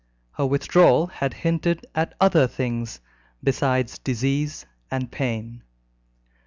Her withdrawal had hinted at other things besides disease and pain.